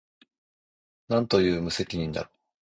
何という無責任だろう